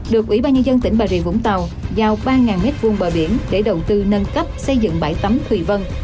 được ủy ban nhân dân tỉnh bà rịa vũng tàu giao ba m hai bờ biển để đầu tư nâng cấp xây dựng bãi tắm thùy vân